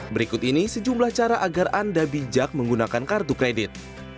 berikut ini sejumlah cara agar anda bijak menggunakan kartu kredit